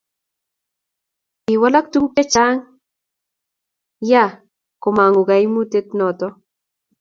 kiwalaka tuguk chechang' ya komong'u kaimutiet noto